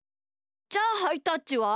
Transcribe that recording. じゃあハイタッチは？